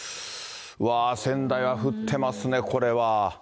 わー、仙台は降っていますね、これは。